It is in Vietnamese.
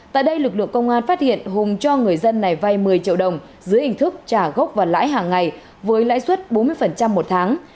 tại đây lực lượng công an phát hiện hùng cho người dân này vay một mươi triệu đồng dưới hình thức trả gốc và lãi hàng ngày với lãi suất bốn mươi một tháng